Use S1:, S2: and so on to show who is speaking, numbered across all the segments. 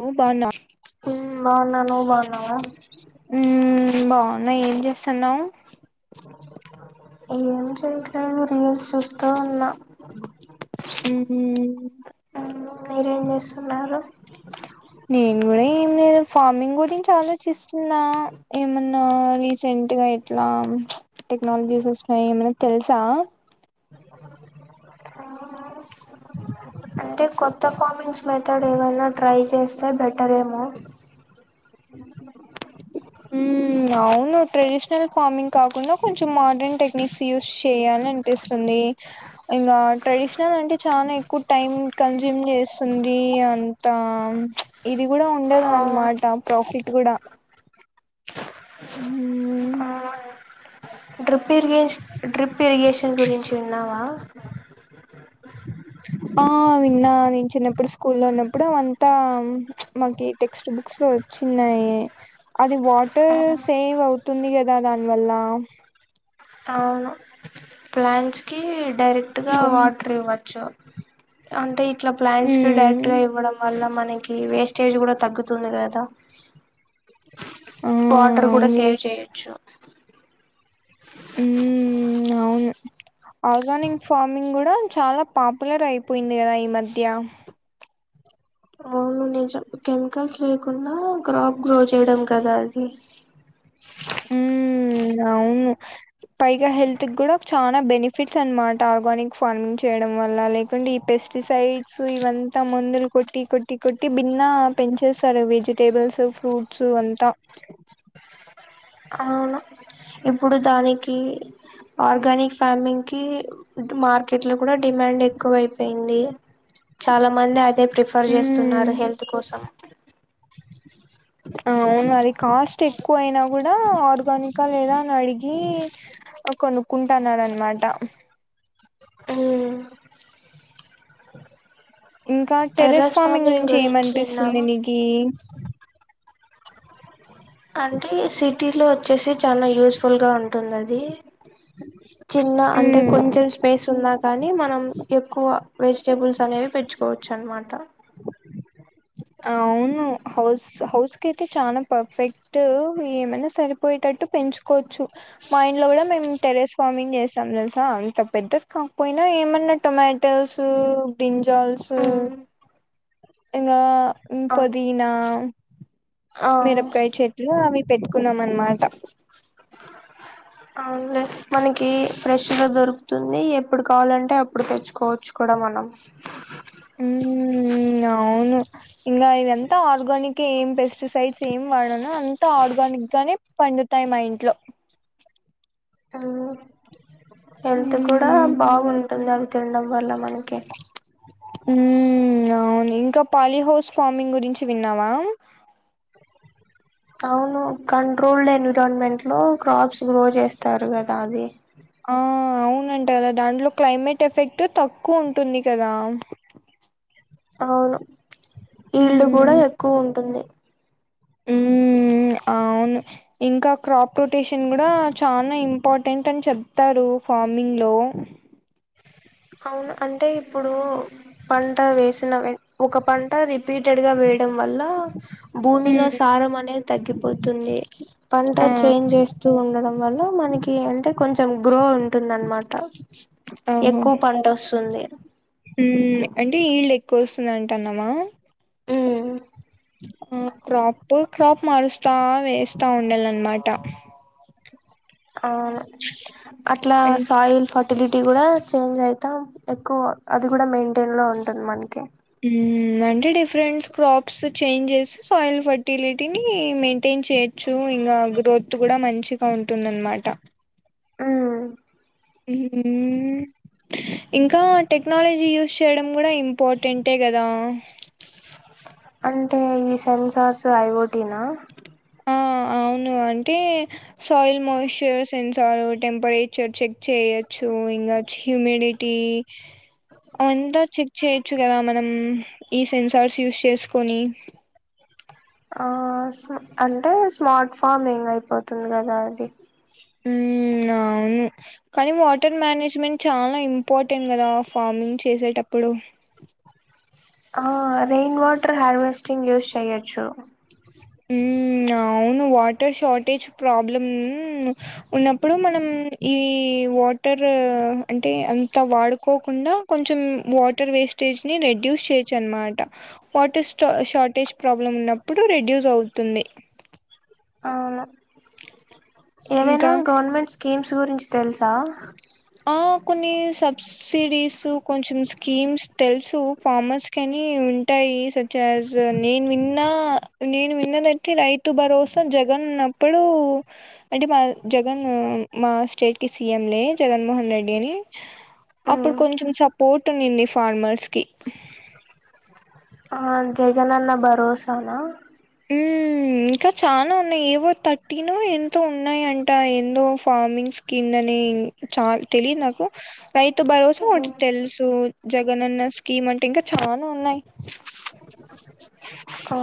S1: నువ్ బాన్న
S2: మ్ బాగున్నా నువ్ బాగున్నవా
S1: మ్ బాగున్నా ఏం చేస్తన్నావ్
S2: ఏం చేయట్లేను న్యూస్ చూస్తా ఉన్నాను
S1: మ్మ్
S2: నువ్ మీరేం చేస్తున్నారు
S1: నేను గూడ ఏం లేదు ఫార్మింగ్ గురించి ఆలోచిస్తున్నా ఏమన్నా రీసెంట్ గ అయ్ ఇట్లా టెక్నాలజీస్ వొస్తున్నాయి ఏమన తెలుసా
S2: ఆ అంటే కొత్త ఫార్మింగ్స్ మెథడ్ ఏవైనా ట్రై చేస్త స్తే బెటర్ ఏమో
S1: ఉమ్ అవును ట్రెడిషనల్ ఫార్మింగ్ కాకుండా కొంచెం మా డ్రన్ టెక్నిక్స్ యూస్ చేయాలి అనిపిస్తుంది ఇంగ ట్రేడిషనల్ అంటే చాలా ఎక్కువ టైం టైం కన్స్యూమ్ చేస్తుంది అంత ప్చ్ ఇది గూడ ఉండదానమాట ప్ర ఫిట్ గూడ మ్
S2: డ్రిప్ ఇరిగేష్ డ్రిప్ ఇరిగేషన్ గురించి విన్నావా
S1: ఆ విన్నా నేను చిన్నప్పుడు స్కూల్ లో ఉన్నప్పుడు అవంతా మాకి టెక్స్ట్ బుక్ స్లో వొచ్చిన్నయి అది వాటర్ సేవ్ అవుతుంది గదా దానివల్ల
S2: అవును ప్లాంట్స్ కి డైరెక్ట్ గా
S1: ఉమ్
S2: వాటర్ ఇవ్వచ్చు అంటే ప్ ఇట్ల ప్లాంట్స్ కి ఇట్లా డైరెక్ట్ గా ఇవ్వడం వల్ల మన్ మనకి వేస్టెజ్ గూడ తగ్గుతుంది కదా
S1: ఆ
S2: వాటర్ కూడా
S1: అవునులే
S2: సేవ్ చేయొచ్చు
S1: ఆర్గానింగ్ ఫార్మింగ్ గూడ చాలా పాపులర్ అయిపోయింది కదా ఈ మధ్య
S2: అవును నిజం కెమికల్స్ లేకుండా క్రాప్ గ్రో చేయడం కదా అది
S1: మ్ అవును పైగా హెల్త్ కి గూడ చాలా బెనిఫిట్స్ అనమాట ఆర్గానిక్ ఫార్మింగ్ చేయడం వల్ల లేకుంటే ఈ పెస్ పెస్టిసైడ్స్ ఇవంతా మందులు కొట్టి కొట్టి కొట్టి భిన్న పెంచేసారు వేజిటేబుల్స్ ఫ్రూట్స్ అంతా
S2: అవును ఇప్పుడు దానికి ఆర్గానిక్ ఫార్మింగ్ కి మార్కెట్ లో కూడా డిమాండ్ ఎక్కువ అయిపొయింది చాలా మంది అదే ప్రిఫర్
S1: హ్మ్
S2: చేస్తున్నారు హెల్త్ కోసం
S1: అవును అది కాస్ట్ ఎక్కువ అయినా కూడా ఆర్గానికా ఆ లేదా అని అడిగి ఆ కొనుకుంటా అన్నార్ అనమాట
S2: ఉమ్
S1: ఇంకా టెరస్ ఫార్మింగ్ గురించి ఏమనిపిస్తుంది నీకి
S2: అంటే సిటీ లో వొచ్చేసి చాలా యూస్ఫుల్ గా ఉంటుంది అది చిన్న అంటే
S1: హ్మ్
S2: కొంచెం స్పేస్ ఉన్నా కాని మనం ఎక్కువ వెజిటబుల్స్ అనే పెంచుకోవచ్చు అనమాట
S1: అవును హౌస్ హౌస్ కి యితే చనా పర్ఫెక్ట్ టు ఏమైనా సరిపోయేటట్టు పెంచుకోవచ్చు మా ఇండ్లో గూడ మేము టెర్రస్ ఫార్మింగ్ చేసాం తెల్సా అంత పెద్దద్ కంపోయిన ఏమన్నా టొమాటోస్ బ్రింజాల్ జోల్సు ఇంగ
S2: ఆ
S1: పొదీనా
S2: ఆ
S1: మిరపకాయ చెట్లు అవి కున్నాం అనమాట
S2: అవును లే మనకి ఫ్రెష్గా దొరుకుతుంది ఎప్పుడు కావాలంటే అప్పుడు తెచ్చుకోవచ్చు కూడా మనం
S1: ఉమ్మ్ అవును ఇంగా ఇదంతా ఆర్గనిక్ ఏం పెస్టి సైడ్స్ ఏం వాడను అంత ఆర్గానిక్ గానే పండుతాయి మా ఇంట్లో
S2: ఉమ్ హెల్త్ కూడా
S1: ఉమ్
S2: బాగుంటుంది అం తిండం వల్ల మనకి
S1: ఉమ్ అ అవును ఇంకా పాలీహౌస్ ఫార్మింగ్ గురించి విన్నావా
S2: ఔను కంట్రోల్డ్ ఎన్విరాన్మెంట్ లో క్రాప్స్ గ్రో చేస్తారు కదా అది
S1: ఆ అవునంటరా దాంట్లో క్లైమేట్ ఎఫెక్ట్ తక్కువ ఉంటుంది కదా
S2: అవును ఈళ్లు కూడా ఎక్కువ ఉంటుంది
S1: ఉమ్ మ్ అవును ఇంకా క్రాప్ రొటేషన్ కూడా చానా ఇంపార్టెంట్ అని చెప్తారు ఫార్మింగ్ లో
S2: అవును అంటే ఇప్పుడు పంట వేసిన వెన్ ఒక పంట రి పీటెడ్ గా వేయడం వల్ల భూమిలో
S1: హ్మ్.
S2: సారం అనేది తగ్గిపోతుంది పంట
S1: ఆ!
S2: ఇగ చేంజ్ చేస్తూ ఉండడం వల్ల మనకి అంటే కొంచెం గ్రో ఉంటుంద అనమాట ఎక్కువ పంట ఒస్తుంది
S1: ఉమ్ అంటే ఈళ్ళు ఎక్కువ వస్తుందంటన్నామా
S2: ఉమ్
S1: ఆ క్రాప్ టు క్రాప్ మారుస్తా వేస్తా ఉండాల అన్నమాటా
S2: అవును అట్లా
S1: అన్
S2: సాయిల్ ఫకి ఫేలిటీ కూడా చేంజ్ అయితా ఎక్కువ అది కూడా మెయింటేన్ లో ఉంటుంది మనకి
S1: ఉమ్ అంటే డిఫరెన్స్ ప్రాప్స్ చేంజ్ చేసి సాయిల్ ఫర్టిలిటీని మెయింటేన్ చేయొచ్చు ఇంగా గ్రోత్ కూడా అ మంచిగా ఉంటుందనమాట
S2: ఆ
S1: ఉహ్మ్ ఇంకా టెక్నాలజీ యూజ్ చేయడం గుడా ఇంపార్టెంటే గదా
S2: అంటే ఇ సెన్సార్స్ ఐవోటీనా
S1: అ అవును అంటే సాయిల్ మాయిశ్చర్ సెన్స్ తారు టెంపరేచర్ చెక్ చేయచ్చు ఇంగా చ్చిమినిటీ అంత చెక్ చెయి చు కద మనం ఈ సెన్సార్స్ యూజ్ చేసుకొని
S2: ఆ సా అంటే స్మార్ట్ ఫామింగ్ అయిపోతుంది కదా అది
S1: ఉమ్ అవును కానీ వాటర్ మనేజ్మెంట్ చాలా ఇంపార్టెంట్ కదా ఫార్మింగ్ చేసేటప్పుడు
S2: ఆ రెయిన్ వాటర్ హార్వెస్టింగ్ యూజ్ చెయొచ్చు
S1: ఉమ్మ్ అవును వాటర్ షార్టేజ్ ప్రాబ్లమ్ ఉన్నప్పుడు మనం మ్ ఈ వాటర్ అంటే అంత వాడుకోకుండా కొంచెం వాటర్ వే ఇ స్టేజిని రెడ్యూస్ చేయచ్చనమాట వాటర్ స్ట్ షార్టెజ్ ప్రాబ్లమ్ ఉన్నప్పుడు రెడ్యూస్ యూజ్ అవుతుంది
S2: అవును ఏవైనా
S1: ఇంకా
S2: గవర్నమెంట్ స్కీమ్స్ గురించి తెలుసా
S1: ఆ కొన్ని సబ్సిడీస్ కొంచెం స్కీమ్స్ తెలుసు ఫార్మర్స్ కని ఇ ఉంటాయి సచ్ హాస్ నేను వి నా నేను విన్నదైతె రైతు భరోసా జగన్ ఉన్నప్పుడు అంటే మాగ్ జగను మా స్టేట్కి సీఎంలే జగన్మోహన్ రెడ్డి అని అప్పుడు కొంచెం సపోర్ట్ ఉ నింది ఫార్మర్స్ కి
S2: ఆ జగనన్న బరోసానా
S1: హ్మ్. ఇంకా చానా ఉన్నాయ్ ఏవో థర్టీనో ఎంతో ఉన్నాయంట ఎందో ఫార్మింగ్స్ కింద నే హూ చాల్ తెలిదు నాకు రైతు భరోసా ఒకటి తెలుసు జగనన్న స్కీమ్ అంటే ఇంకా చానా ఉన్నాయి
S2: ఆ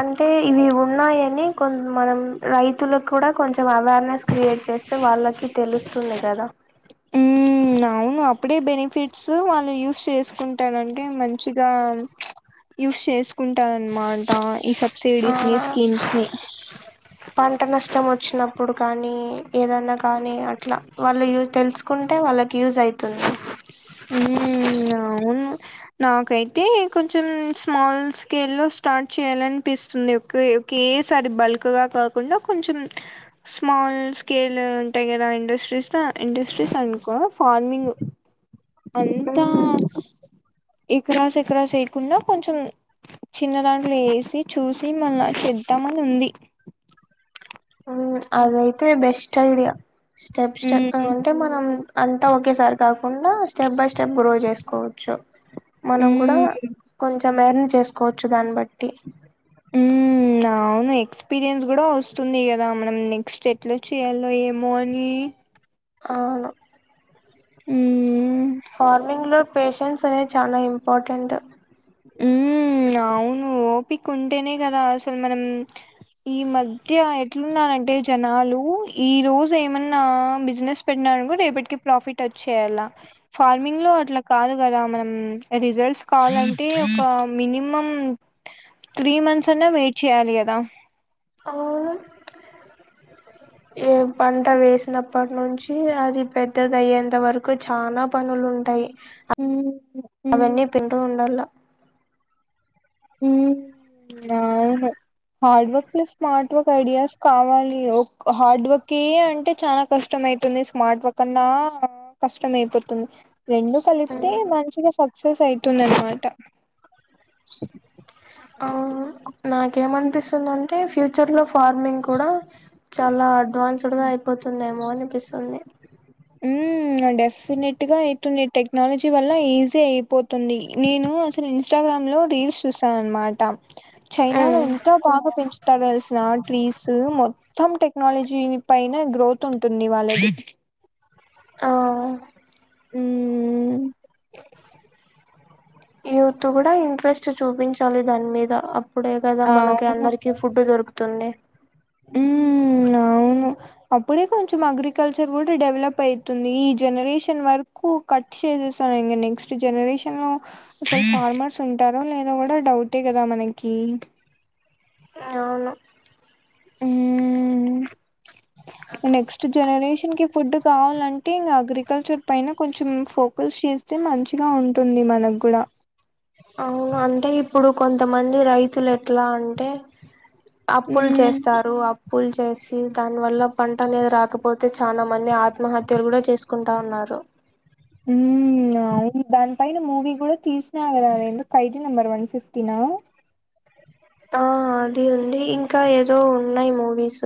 S2: అంటే ఇవి ఉన్నాయని కొ మనం రైతులకు కూడా కొంచం త అవేర్నెస్ క్రియేట్ చేస్తే వాళ్ళకి తెలుస్తుంది కదా
S1: హ్మ్. అవును అప్పుడే బెనిఫిట్స్ వాళ్ళు యూస్ చేసుకుంటానంటే మంచిగా యూస్ చేసుకుంటారన్నమాట ఈ
S2: ఆ
S1: సబ్సిడీస్ ని స్కీమ్స్ ని
S2: పంట నష్టం వచ్చినప్పుడు కానీ ఏదన్న కానీ అట్లా వాళ్ళు తెలుసుకుంటే వాళ్ళకి యూజ్ అయితుంది
S1: మ్ ఇగ అవును నాకైతే కొంచెం స్మాల్ స్కేల్ లో స్టార్ట్ చేయాలనిపిస్తుండే ఒకే ఒకేసారి బల్క్ గా కాకుండా కొంచెం స్మాల్ స్కేల్ ఉంటాయ్ కదా గ ఇండస్ట్రీస్ ల ఇండస్ట్రీస్ అనుకో ఫార్మింగ్ అంతా ఎకరాస్ ఎక్రాస్ ఎయకుండా కొంచెం చిన్న దాంట్లో వేసి చూసి మల్ల చేద్దామని ఉంది
S2: అదైతే బెస్ట్ ఐడియా స్టెప్స్ట
S1: ఉమ్
S2: అంటే మనం అంతా ఒకేసారి కాకుండా స్టెప్ బై స్టెప్ గ్రో చేసుకోవచ్చు మనం కూడా
S1: ఉమ్
S2: కొంచెం ఎర్న్ చేసుకోవచ్చు దాన్ని బట్టి
S1: ఉమ్ అవును ఎక్స్పీరియన్స్ కూడా వస్తుంది కదా మనం నెక్స్ట్ ఎట్లా చేయాలో ఏమో అని
S2: అవును
S1: హు మ్
S2: ఫార్మింగ్ లో పేషెన్స్ అనేది చాలా ఇంపార్టెంట్
S1: మ్ అవును ఓపిక ఉంటేనే కదా అసలు మనం ఈ మధ్య ఎ ట్లున్నానంటే జనాలు ఈ రోజు ఏమన్నా బిజినెస్ పెట్టినారనుకో రేపటికి ప్రాఫిట్ చేయాల ఫార్మింగ్ లో అట్లా కాదు కదా మనం రిజల్ట్స్ కావాలం అంటే ఒక మినిమం త్రీ మంత్స్ అన్నా వెయిట్ చేయాలి కదా
S2: అవును ఏ పంట వేస్ చిన్నప్పట్ నుంచి అది పెద్దదయ్యేంత వరకు చాన పనులుంటయ్ అ
S1: అవును
S2: అవన్నీ పింటూ ఉండల
S1: అవును hard work plus smart work ideas కావాలి ఒ హార్డ్ వర్క్ కే అంటే చాలా కష్టం మైతుంది స్మార్ట్ వర్క్ అన్నా కష్టం అయిపోతుంది రెండు కలిపితే మంచిగా సక్సెస్ అయితుందన్మాట
S2: అ నాకేమనిపిస్తుందంటే ఫ్యూచర్ లో ఫార్మింగ్ కూడా చాలా అడ్వాన్స్డ్ గా అయిపోతుందేమో అనిపిస్తుంది
S1: డెఫ్పినెట్ గా అయితుంది టెక్నాలజీ వల్ల ఈజీ అయిపోతుంది నేను అసలు ఇన్స్టాగ్రామ్ రీల్స్ చూసా నన్మామాట చైనా లో ఎంతో బాగా పెంచుతడాల్స ట్రీస్ మొత్తం టెక్నాలజీ పైన గ్రోత్ ఉంటుంది వాళ్ళది
S2: ఆ
S1: మ్మ్మ్
S2: యూత్ కూడా ఇంట్రెస్ట్ చూపించాలి దాని మీద అప్ అప్పుడే కదా మనకి అందరికి ఫుడ్ దొరుకుతుంది
S1: మ్ అవును అప్పుడే కొంచెం అగ్రికల్చర్ కూడా డెవలప్ అయితుంది ఈ జనరేషన్ వరకు కట్ చేసేస్ సరే ఇంగ నెక్స్ట్ జనరేషన్ లో అసలు ఫార్మర్స్ ఉంటాదొ లేదో కూడా డౌటే కదా మనకి ఉమ్
S2: అవును
S1: హ్మ్. నెక్స్ట్ జనరేషన్ కి ఫుడ్ కావాలంటె ఇంగ అగ్రికల్చర్ పైన కొంచెం ఫోకస్ చేస్ స్తే మంచిగా ఉంటుంది మనకు గుడా
S2: అవును అంటే ఇప్పుడు కొంతమంది రైతులు ఎట్లా అంటే
S1: అ
S2: అప్పులు
S1: హ్మ్.
S2: చేస్తారు అప్పుల్ చేస్ దాని వల్ల పంట అనేది రాకపోతే చాలా మంది ఆత్మహత్యలు కూడా చేసుకుంటా ఉన్నారు
S1: మ్ వు ఆ దాని పైన మూవీ కూడా తీసినారు కదా ఏంది ఖైదీ నెంబర్ వన్ ఫిఫ్టీనా? [inaudible]
S2: ఆ అది అండి ఇంకా ఏదో ఉన్నాయి మూవీస్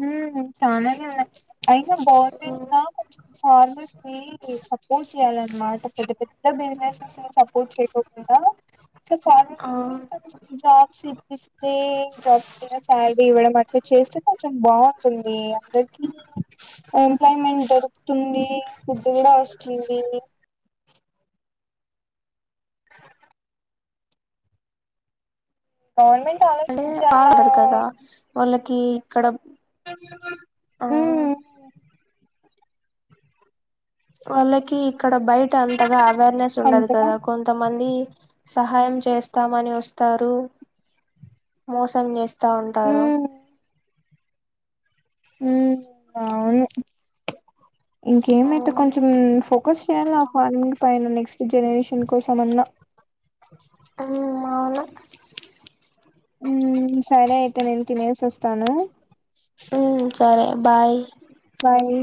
S1: హూమ్ చాలనే ఉన్నాయ్ అయినా గవర్నమెంట్ లో కొంచెం ఫార్మర్స్ ని సపోర్ట్ చేయాలన్నమాట పెద్ద పెద్ద బిజసస్ లో అసల్ సపోర్ట్ చేయర్ ఫార్మ
S2: ఆ
S1: కొంచం జాబ్స్ ఇప్పిస్తే జాబ్స్ కి శాలరీ ఇవ్వడం [inaudible] అట్ల చేస్తె కొంచెం బాగుంటుంది అందరికీ ఎంప్లాయ్మెంట్ దొరుకుతుంది ఫుడ్ కూడా వస్తుంది. గవర్నమెంట్
S2: అంటే
S1: ఆలోచించాలా
S2: ఆడుతరు కదా వాళ్ళకి ఇక్కడ ఆ
S1: ఉమ్మ్
S2: వాళ్ళకి ఇక్కడ బయట అంతగా అవేర్నెస్ ఉండదు
S1: అంతేగా
S2: కదా కొంతమంది సహ సహాయం చేస్తామని ఒస్తారు మోసం చేస్ స్తా ఉంటారు
S1: ఉమ్ ఉమ్ అవును ఇంకేమైతే
S2: ఉమ్
S1: కొంచెం ఫో ఒక్కో సారి ఫార్మిట్ పైన నెక్స్ట్ జనరేషన్ కోసం అన్న
S2: ఆ అవ్న
S1: ఉమ్మ్ సరే అయితే నేను తినేసస్తాను
S2: ఉమ్ సరే బాయ్
S1: బాయి